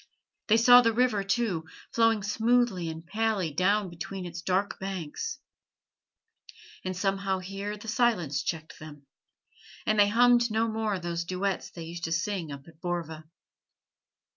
They saw the river, too, flowing smoothly and palely down between its dark banks; and somehow here the silence checked them, and they hummed no more those duets they used to sing up at Borva.